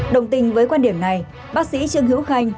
đồng tình với quan điểm này bác sĩ trương hữu khanh